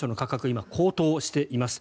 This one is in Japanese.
今、高騰しています。